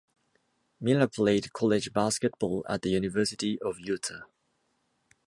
Miller played college basketball at the University of Utah.